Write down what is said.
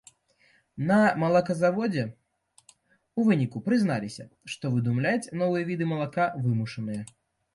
На малаказаводзе ў выніку прызналіся, што выдумляць новыя віды малака вымушаныя.